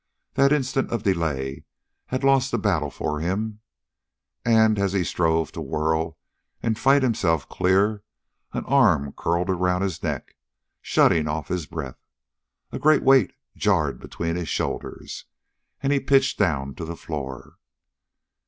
That instant of delay had lost the battle for him; and, as he strove to whirl and fight himself clear, an arm curled around his neck, shutting off his breath. A great weight jarred between his shoulders. And he pitched down to the floor.